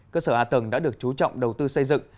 cơ sở hạ tầng đã được chú trọng đầu tư xây dựng